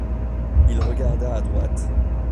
Il regarda à droite.